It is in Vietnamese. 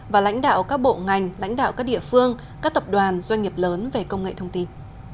và lãnh đạo các bộ ngành lãnh đạo các địa phương các tập đoàn doanh nghiệp lớn về công nghệ thông tin